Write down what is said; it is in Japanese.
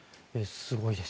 すごいです。